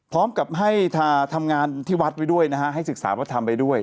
พร้อมกับให้ทำงานที่วัดไว้ด้วยนะฮะให้ศึกษาวัฒนธรรมไปด้วย